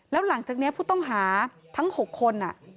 แล้วหลังจากนี้ผู้ต้องหาทั้ง๖คน